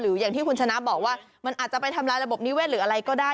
อย่างที่คุณชนะบอกว่ามันอาจจะไปทำลายระบบนิเวศหรืออะไรก็ได้